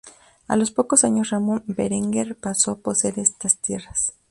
A los pocos años Ramón Berenguer pasó a poseer estas tierras.